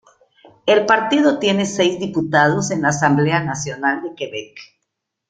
El partido tiene seis diputados en la Asamblea Nacional de Quebec.